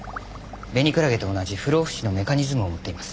ベニクラゲと同じ不老不死のメカニズムを持っています。